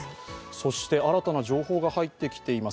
そして新たな情報が入ってきています。